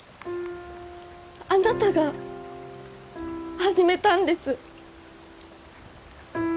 あなたが始めたんです！